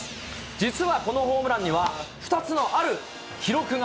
実はこのホームランには２つの、ある記録が。